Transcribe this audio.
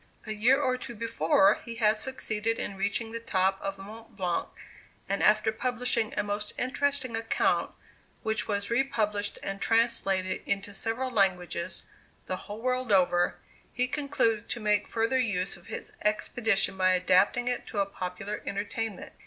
A year or two before, he had succeeded in reaching the top of Mont Blanc, and after publishing a most interesting account, which was re published and translated into several languages, the whole world over, he concluded to make further use of his expedition by adapting it to a popular entertainment.